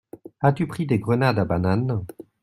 As-tu pris des grenades à banane?